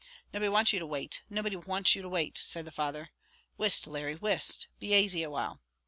"Nobody wants you to wait nobody wants you to wait!" said the father. "Whist, Larry, whist! be asy a while."